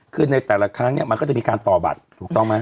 คือในแต่ละครั้งเนี่ยมันก็จะมีการต่อบัตรถูกต้องไหม